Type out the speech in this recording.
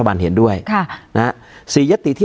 การแสดงความคิดเห็น